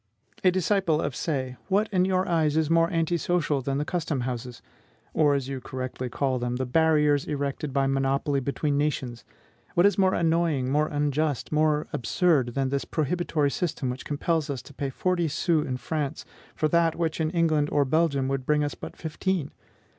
A disciple of Say, what in your eyes is more anti social than the custom houses; or, as you correctly call them, the barriers erected by monopoly between nations? What is more annoying, more unjust, or more absurd, than this prohibitory system which compels us to pay forty sous in France for that which in England or Belgium would bring us but fifteen?